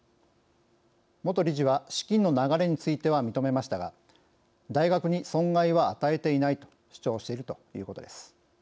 元理事は資金の流れについては認めましたが大学に損害は与えていないと主張しているということです。